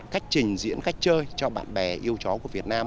cách trình diễn cách chơi cho bạn bè yêu chó của việt nam